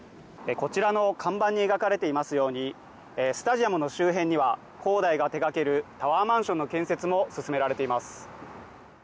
こちらの看板に描かれていますようにスタジアムの周辺には恒大が手がけるタワーマンションの建設も進められています。